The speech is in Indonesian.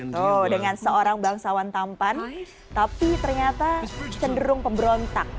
tuh dengan seorang bangsawan tampan tapi ternyata cenderung pemberontak